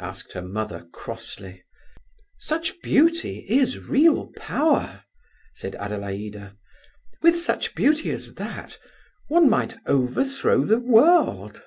asked her mother, crossly. "Such beauty is real power," said Adelaida. "With such beauty as that one might overthrow the world."